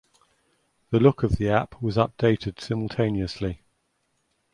The look of the app was updated simultaneously.